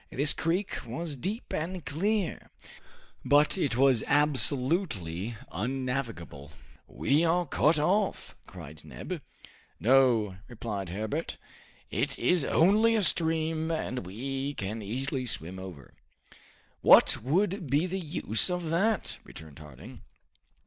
This creek was deep and clear, but it was absolutely unnavigable. "We are cut off!" cried Neb. "No," replied Herbert, "it is only a stream, and we can easily swim over." "What would be the use of that?" returned Harding.